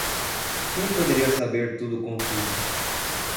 Quem poderia saber tudo contido?